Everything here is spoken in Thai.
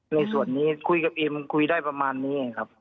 ในส่วนนี้คุยกับเอมมันคุยได้ประมาณนี้ไงครับ